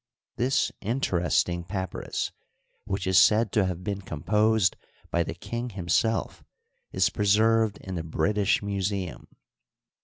This interesting papyrus, which is said to have been composed, by the king himself, is preserved in the British Museum.